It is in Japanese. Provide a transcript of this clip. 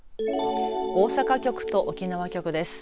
大阪局と沖縄局です。